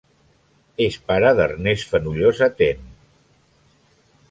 És pare d'Ernest Fenollosa Ten.